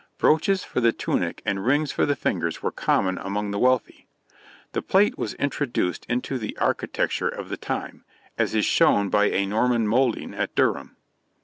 Brooches for the tunic and rings for the fingers were common among the wealthy. The plait was introduced into the architecture of the time, as is shown by a Norman moulding at Durham.